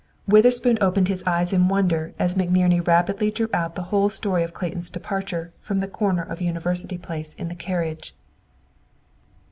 Witherspoon opened his eyes in wonder as McNerney rapidly drew out the whole story of Clayton's departure from the corner of University Place in the carriage.